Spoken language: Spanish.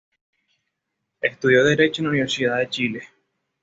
Estudió Derecho en la Universidad de Chile.